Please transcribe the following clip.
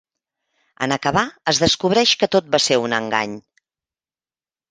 En acabar es descobreix que tot va ser un engany.